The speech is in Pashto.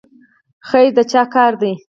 خیر د چا کار دی؟